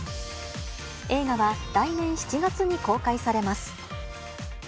映画は来年７月に公開されます。